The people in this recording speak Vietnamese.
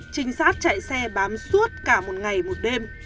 trinh sát chạy xe bám suốt cả một ngày một đêm